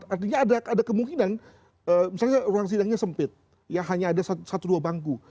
artinya ada kemungkinan misalnya ruang sidangnya sempit ya hanya ada satu dua bangku